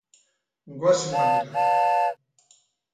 Goazen mamira.